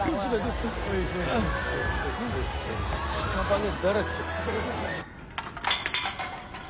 しかばねだらけ。